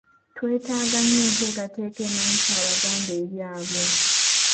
Twetaaga nnyo enteekateeka emanyisa Abaganda ebyabwe.